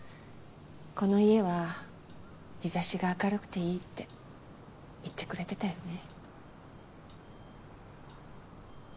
この家は日差しが明るくていいって言ってくれてたよね。